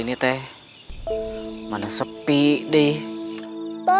ini bahkan itu induk hamba